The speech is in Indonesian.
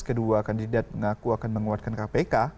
kedua kandidat mengaku akan menguatkan kpk